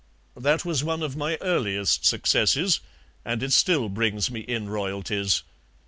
That was one of my earliest successes, and it still brings me in royalties.